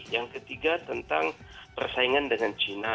yang ketiga tentang persaingan dengan china